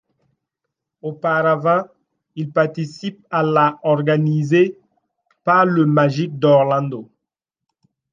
Auparavant, il participe à la organisée par le Magic d'Orlando.